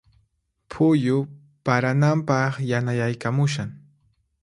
Phuyu parananpaq yanayaykamushan.